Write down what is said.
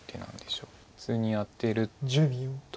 普通にアテると。